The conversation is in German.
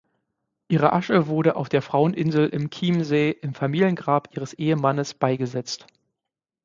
Ihre Asche wurde auf der Fraueninsel im Chiemsee im Familiengrab ihres Ehemannes beigesetzt.